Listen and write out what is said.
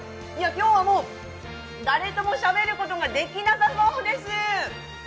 今日はもう誰ともしゃべることができなさそうです。